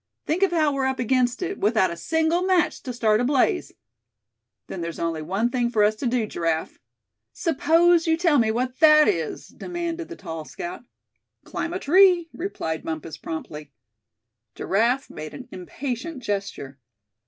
Think of how we're up against it, without a single match to start a blaze." "Then there's only one thing for us to do, Giraffe." "Suppose you tell me what that is?" demanded the tall scout. "Climb a tree," replied Bumpus, promptly. Giraffe made an impatient gesture.